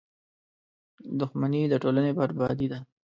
• دښمني د ټولنې بربادي ده.